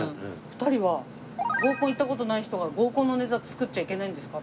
２人は合コン行った事ない人が合コンのネタ作っちゃいけないんですか？